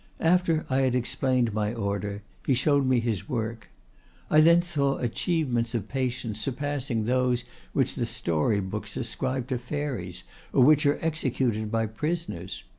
After I had explained my order, he showed me his work. I then saw achievements of patience surpassing those which the story books ascribe to fairies, or which are executed by prisoners.